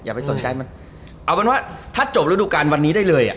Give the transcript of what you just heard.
ไปสนใจมันเอาเป็นว่าถ้าจบฤดูการวันนี้ได้เลยอ่ะ